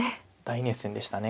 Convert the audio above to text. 大熱戦でした。